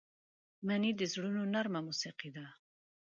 مني د زړونو نرمه موسيقي ده